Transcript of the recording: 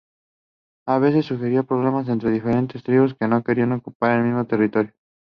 A veces surgían problemas entre diferentes tribus que querían ocupar el mismo territorio.